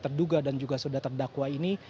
terduga dan juga sudah terdakwa ini